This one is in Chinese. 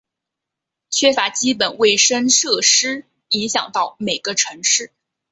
缺乏基本卫生设施影响到每个城市。